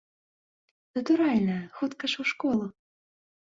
Натуральна, хутка ж у школу!